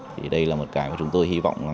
thì đây là một cái mà chúng tôi hy vọng